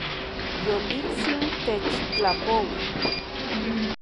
Yoliktsin techtlapoui